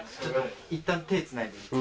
いったん手つないでみて。